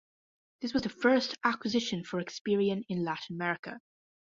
This was the first acquisition for Experian in Latin America.